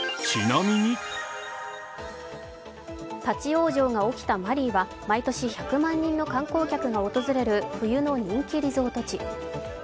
立往生が起きたマリーは毎年１００万人の観光客が訪れる冬の人気リゾート地。